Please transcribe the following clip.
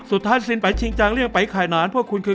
สุดท้ายซิลไบร์ชิงจังเรียงไบร์ข่ายหนาน